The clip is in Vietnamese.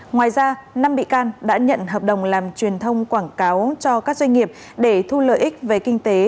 ngoài ra năm bị can đã nhận hợp đồng làm truyền thông quảng cáo cho các doanh nghiệp để thu lợi ích về kinh tế